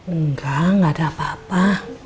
enggak enggak ada apa apa